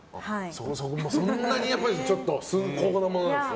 そんなに崇高なものなんですね。